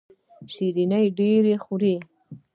شیریني ډیره خورئ؟